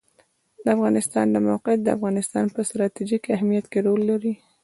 د افغانستان د موقعیت د افغانستان په ستراتیژیک اهمیت کې رول لري.